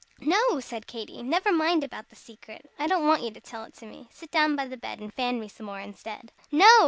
"No!" said Katy; "never mind about the secret. I don't want you to tell it to me. Sit down by the bed, and fan me some more instead." "No!"